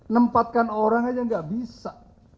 nempatkan orang aja gak bisa